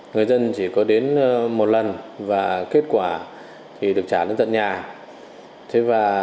người dân chỉ có đến một lần và kết quả được trả đến tận nhà